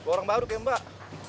orang baru kayak mbak